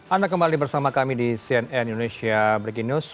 anda kembali bersama kami di cnn indonesia breaking news